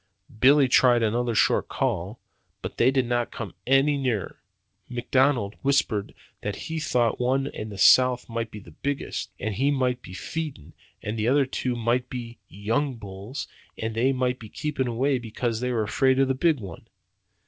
Billy tried another short call, but they did not come any nearer. McDonald whispered that he thought the one in the south end might be the biggest, and he might be feeding, and the two others might be young bulls, and they might be keeping away because they were afraid of the big one.